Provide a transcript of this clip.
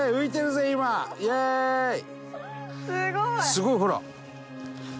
すごい！ほら。